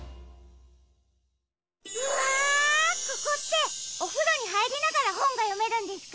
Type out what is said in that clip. うわここっておふろにはいりながらほんがよめるんですか？